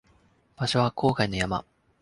場所は郊外の山